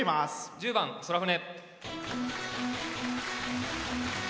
１０番「宙船」。